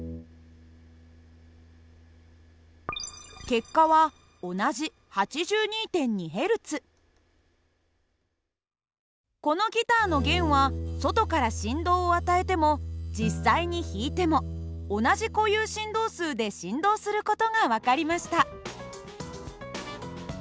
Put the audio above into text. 結果は同じこのギターの弦は外から振動を与えても実際に弾いても同じ固有振動数で振動する事が分かりました。